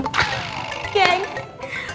bukan ratu yang ini kan